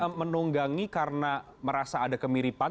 bahwa kemudian menunggangi karena merasa ada kemiripan